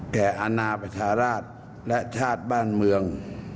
อาณาประชาราชและชาติบ้านเมือง